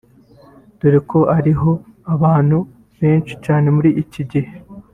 dore ko iriho abantu benshi cyane muri iki gihe